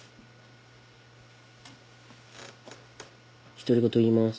独り言言います。